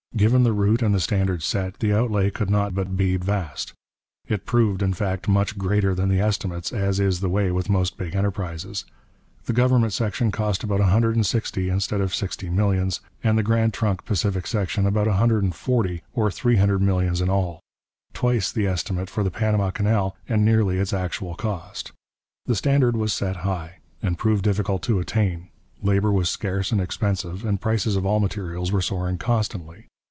Given the route and the standard set, the outlay could not but be vast. It proved, in fact, much greater than the estimates, as is the way with most big enterprises. The government section cost about a hundred and sixty instead of sixty millions, and the Grand Trunk Pacific section about a hundred and forty, or three hundred millions in all twice the estimate for the Panama Canal and nearly its actual cost. The standard set was high, and proved difficult to attain; labour was scarce and expensive, and prices of all materials were soaring constantly.